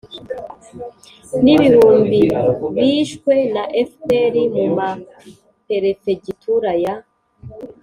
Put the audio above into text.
n'ibihumbi bishwe na fpr mu ma perefegitura ya